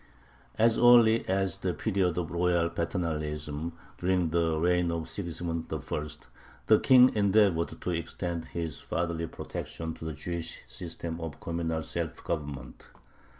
As early as the period of royal "paternalism," during the reign of Sigismund I., the king endeavored to extend his fatherly protection to the Jewish system of communal self government.